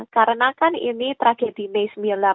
karena kan ini tragedi may sembilan delapan